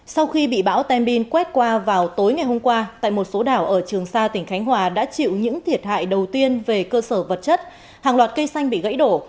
sau khi bị bão tem bin quét qua vào tối ngày hôm qua tại một số đảo ở trường sa tỉnh khánh hòa đã chịu những thiệt hại đầu tiên về cơ sở vật chất hàng loạt cây xanh bị gãy đổ